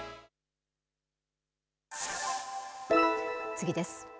次です。